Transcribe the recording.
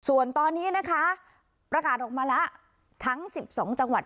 ส่วนตอนนี้นะคะประกาศออกมาแล้วทั้ง๑๒จังหวัด